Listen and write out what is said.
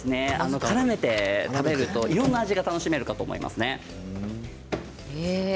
からめて食べるといろんな味が楽しめるかと思いますね。